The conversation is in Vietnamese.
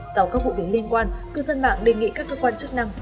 sau các vụ việc liên quan cư dân mạng đề nghị các cơ quan chức năng